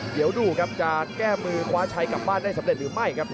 เดี๋ยวดูครับจะแก้มือคว้าชัยกลับบ้านได้สำเร็จหรือไม่ครับ